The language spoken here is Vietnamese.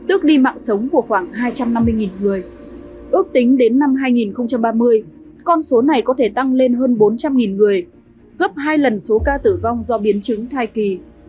ước tính đến năm hai nghìn ba mươi con số này có thể tăng lên hơn bốn trăm linh người gấp hai lần số ca tử vong do biến chứng thai kỳ